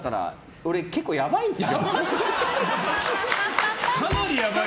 俺、やばいんですよ。